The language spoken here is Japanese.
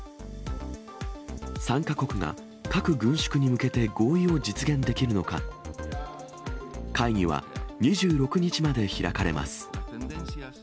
参加国が核軍縮に向けて合意を実現できるのか、会議は２６日まで開かれます。